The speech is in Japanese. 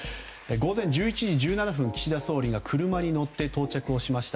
午前１１時１７分岸田総理が車に乗って到着をしました。